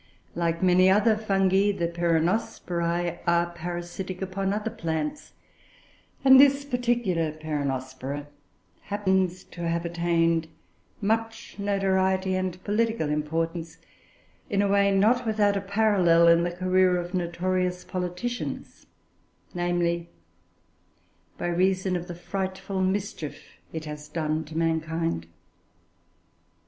Like many other Fungi, the Peronosporoe are parasitic upon other plants; and this particular Peronospora happens to have attained much notoriety and political importance, in a way not without a parallel in the career of notorious politicians, namely, by reason of the frightful mischief it has done to mankind.